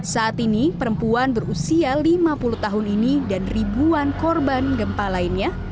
saat ini perempuan berusia lima puluh tahun ini dan ribuan korban gempa lainnya